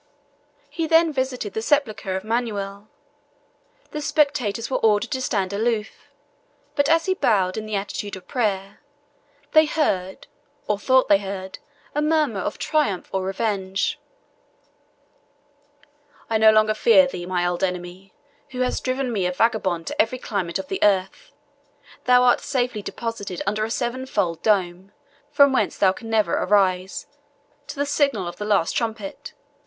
He then visited the sepulchre of Manuel: the spectators were ordered to stand aloof, but as he bowed in the attitude of prayer, they heard, or thought they heard, a murmur of triumph or revenge: "I no longer fear thee, my old enemy, who hast driven me a vagabond to every climate of the earth. Thou art safely deposited under a seven fold dome, from whence thou canst never arise till the signal of the last trumpet.